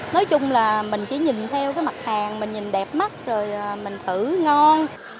nói chung là mình chỉ nhìn theo cái mặt hàng mình nhìn đẹp mắt rồi mình thử ngon